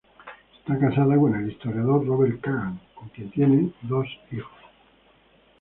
Está casada con el historiador Robert Kagan, con quien tiene dos hijos.